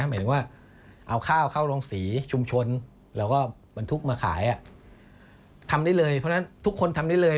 หมายถึงว่าเอาข้าวเข้าโรงศรีชุมชนแล้วก็บรรทุกมาขายทำได้เลยเพราะฉะนั้นทุกคนทำได้เลย